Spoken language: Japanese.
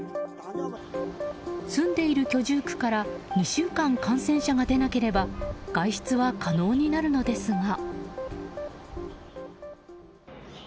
住んでいる居住区から２週間感染者が出なければ外出は可能になるのですが。